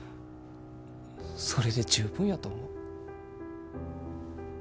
それで十分やと思う。